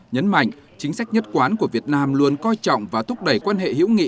nhấn mạnh chính sách nhất quán của việt nam luôn coi trọng và thúc đẩy quan hệ hữu nghị